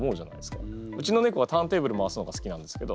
うちの猫はターンテーブル回すのが好きなんですけど。